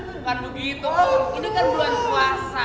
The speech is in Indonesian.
bukan lo gitu ini kan bulan puasa